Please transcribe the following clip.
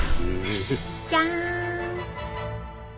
じゃん！